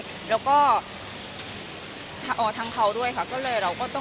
ก็เลยเราก็ต้องแบบหักตรงนี้ก่อน